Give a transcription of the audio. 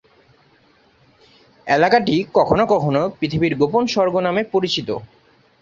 এলাকাটি কখনও কখনও "পৃথিবীর গোপন স্বর্গ" নামে পরিচিত।